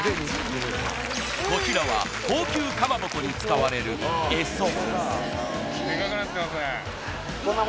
こちらは高級かまぼこに使われるエソ